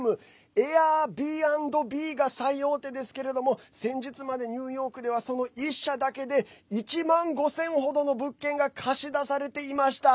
Ａｉｒｂｎｂが最大手ですけど先日までニューヨークではその１社だけで１万５０００程の物件が貸し出されていました。